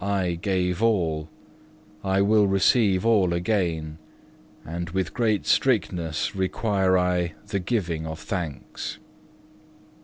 I gave all, I will receive all again, and with great strictness require I the giving of thanks.